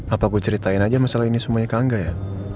apa aku ceritain aja masalah ini semuanya ke angga ya